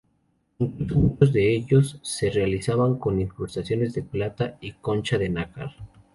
Incluso muchos de ellos se realizaban con incrustaciones de plata y concha de nácar.